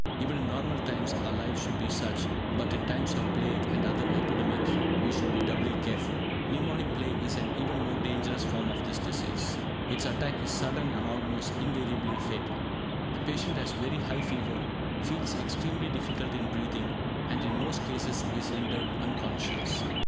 Even in normal times our lives should be such, but, in times of plague and other epidemics, we should be doubly careful. Pneumonic Plague is an even more dangerous form of this disease. Its attack is sudden and almost invariably fatal. The patient has very high fever, feels extreme difficulty in breathing, and in most cases, is rendered unconscious.